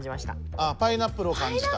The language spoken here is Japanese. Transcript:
ああパイナップルを感じた？